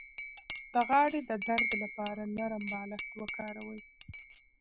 د غاړې د درد لپاره نرم بالښت وکاروئ